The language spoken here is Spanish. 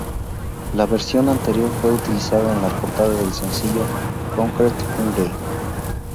La versión anterior fue utilizada en la portada del sencillo "Concrete Jungle".